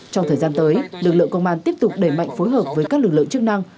trong thời gian tới lực lượng công an tiếp tục đẩy mạnh phối hợp với các lực lượng chức năng